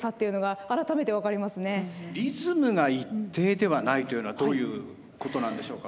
リズムが一定ではないというのはどういうことなんでしょうか？